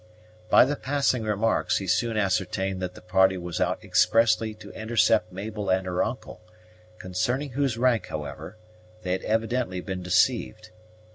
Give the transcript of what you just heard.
By the passing remarks, he soon ascertained that the party was out expressly to intercept Mabel and her uncle, concerning whose rank, however, they had evidently been deceived.